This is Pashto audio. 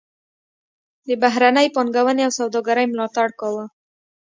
د بهرنۍ پانګونې او سوداګرۍ ملاتړ کاوه.